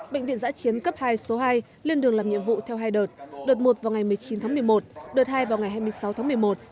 bệnh viện giã chiến cấp hai số hai lên đường làm nhiệm vụ theo hai đợt đợt một vào ngày một mươi chín tháng một mươi một đợt hai vào ngày hai mươi sáu tháng một mươi một